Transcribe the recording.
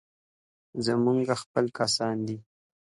زموږ خپل کسان دي.